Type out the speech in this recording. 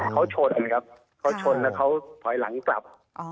เขาชนครับเขาชนแล้วเขาถอยหลังกลับ